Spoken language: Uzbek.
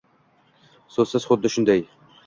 So'zsiz huddi shunday.